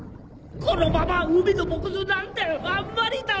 このまま海の藻くずなんてあんまりだ！